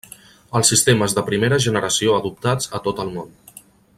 Els sistemes de Primera Generació adoptats a tot el món.